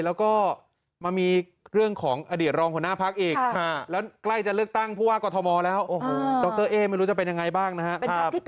แล้วก็มันมีเรื่องของอเดียรองคุณหน้าภาคอีก